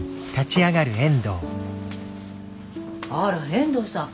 あら遠藤さん